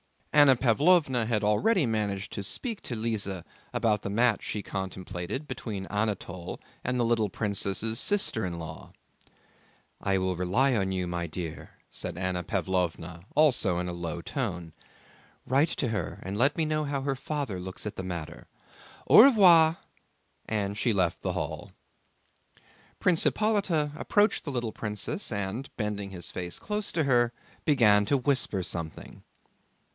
Anna Pávlovna had already managed to speak to Lise about the match she contemplated between Anatole and the little princess' sister in law. "I rely on you, my dear," said Anna Pávlovna, also in a low tone. "Write to her and let me know how her father looks at the matter. Au revoir! "—and she left the hall. Prince Hippolyte approached the little princess and, bending his face close to her, began to whisper something.